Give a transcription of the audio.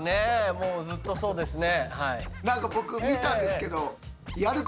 もうずっとそうですね。